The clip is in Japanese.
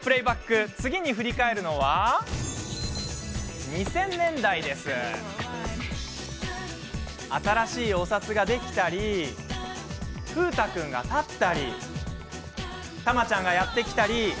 プレーバック次に振り返るのは新しいお札ができたり風太君が立ったりたまちゃんがやってきたり。